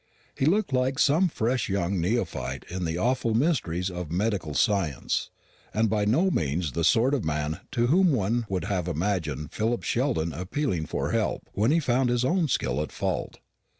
He looked like some fresh young neophyte in the awful mysteries of medical science, and by no means the sort of man to whom one would have imagined Philip Sheldon appealing for help, when he found his own skill at fault.